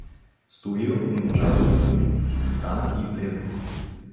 Стоил не можа да се стърпи, стана и излезе.